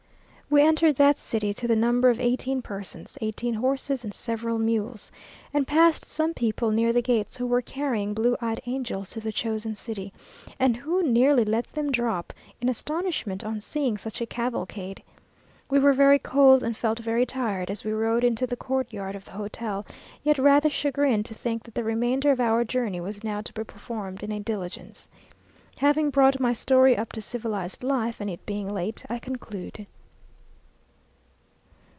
We entered that city to the number of eighteen persons, eighteen horses, and several mules, and passed some people near the gates who were carrying blue eyed angels to the chosen city, and who nearly let them drop, in astonishment, on seeing such a cavalcade. We were very cold, and felt very tired as we rode into the courtyard of the hotel, yet rather chagrined to think that the remainder of our journey was now to be performed in a diligence. Having brought my story up to civilized life, and it being late, I conclude.